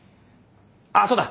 あっそうだ。